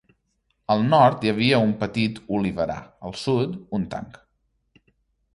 Al nord hi havia un petit oliverar, al sud un tanc.